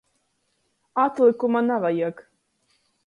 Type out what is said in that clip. Atlykuma navajag!